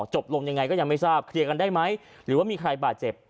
จบลงยังไงก็ยังไม่ทราบเคลียร์กันได้ไหมหรือว่ามีใครบาดเจ็บ